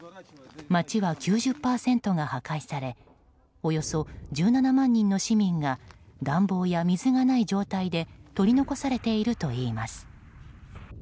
街は９０％が破壊されおよそ１７万人の市民が暖房や水がない状態で取り残されているといいます。